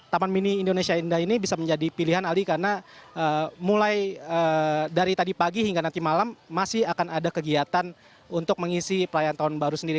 taman mini indonesia indah ini bisa menjadi pilihan aldi karena mulai dari tadi pagi hingga nanti malam masih akan ada kegiatan untuk mengisi perayaan tahun baru sendiri